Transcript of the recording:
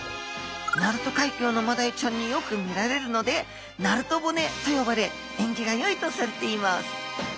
鳴門海峡のマダイちゃんによく見られるので鳴門骨と呼ばれ縁起がよいとされています